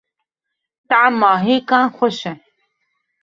Tahma hêkan xweş e.